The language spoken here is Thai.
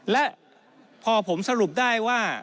และพอผมสรุปได้ว่า